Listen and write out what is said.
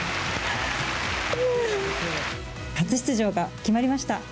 初出場が決まりました。